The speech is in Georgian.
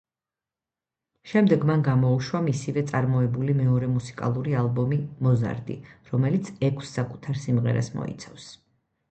შემდეგ მან გამოუშვა მისივე წარმოებული მეორე მუსიკალური ალბომი, „მოზარდი“, რომელიც ექვს საკუთარ სიმღერას მოიცავს.